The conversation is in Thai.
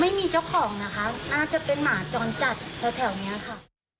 ไม่มีเจ้าของนะคะน่าจะเป็นหมาจรจัดแถวนี้ค่ะ